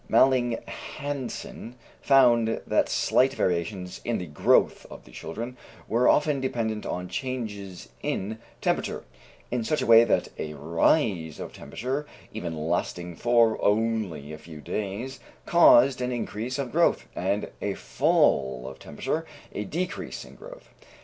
Malling Hansen found that slight variations in the growth of the children were often dependent on changes in temperature, in such a way that a rise of temperature, even lasting for only a few days, caused an increase of growth, and a fall of temperature a decrease in growth.